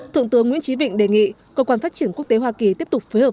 thượng tướng nguyễn trí vịnh đề nghị cơ quan phát triển quốc tế hoa kỳ tiếp tục phối hợp